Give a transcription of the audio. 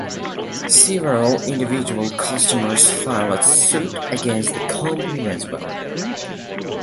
Several individual customers filed suit against the company as well.